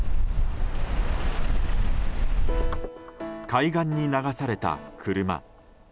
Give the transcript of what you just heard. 海岸に流された車。